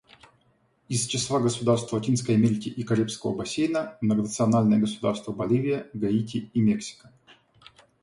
Из числа государств Латинской Америки и Карибского бассейна — Многонациональное Государство Боливия, Гаити и Мексика.